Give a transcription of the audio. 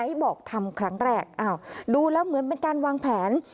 บอกทำครั้งแรกอ้าวดูแล้วเหมือนเป็นการวางแผน